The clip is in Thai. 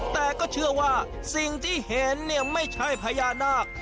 แต่ก็เชื่อว่าสิ่งที่เห็นเนี่ยไม่ใช่พญานาค